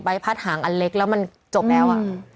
พัดหางอันเล็กแล้วมันจบแล้ว